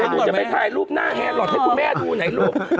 หนูจะไปถ่ายรูปหน้าแฮลอทให้คุณแม่ดูไหนลูก